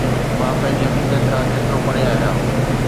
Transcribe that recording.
مان پنهنجي حقيقت کان ڪيترو پري آهيان